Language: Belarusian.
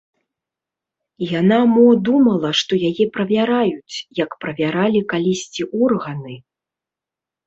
Яна мо думала, што яе правяраюць, як правяралі калісьці органы?